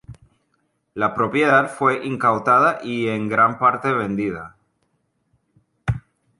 La propiedad fue incautada y en gran parte vendida.